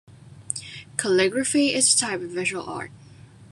Calligraphy is a type of visual art.